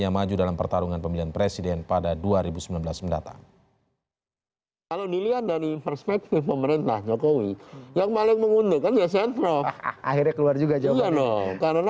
yang maju dalam pertarungan pemilihan presiden pada dua ribu sembilan belas mendatang